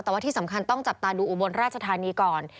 แต่ว่าที่สำคัญต้องจับตาดูอุบลราชธานีก่อน